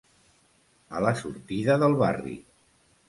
A la sortida del barri.